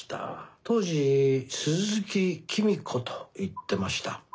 当時鈴木公子と言ってました。